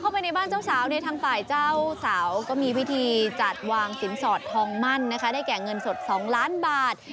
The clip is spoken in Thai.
เข้าไปในบ้านเจ้าสาวเนี่ยทางฝ่ายเจ้าสาวก็มีพิธีจัดวางสินสอดทองมั่นนะคะได้แก่เงินสด๒ล้านบาท